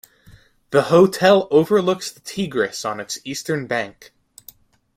The hotel overlooks the Tigris on its eastern bank.